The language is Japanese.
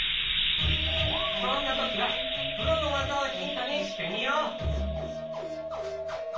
そんな時はプロの技をヒントにしてみよう！